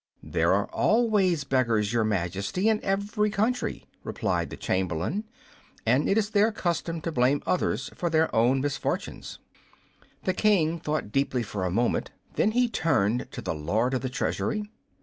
"There are always beggars, Your Majesty, in every country," replied the Chamberlain, "and it is their custom to blame others for their own misfortunes." The King thought deeply for a moment; then he turned to the Lord of the Treasury.